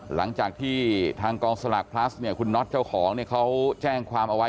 หลังจากที่ทางกองสลากพลัสเนี่ยคุณน็อตเจ้าของเนี่ยเขาแจ้งความเอาไว้